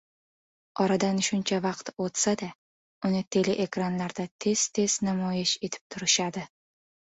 Oradan shuncha vaqt o‘tsa-da, uni teleekranlarda tez-tez namoyish etib turishadi.